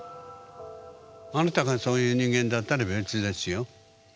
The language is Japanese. あなたがそういう人間だったら別ですよ。